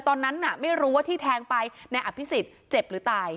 ตอนนั้นน่ะไม่รู้ว่าที่แทงไปนายอภิษฎเจ็บหรือตาย